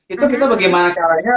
itu kita bagaimana caranya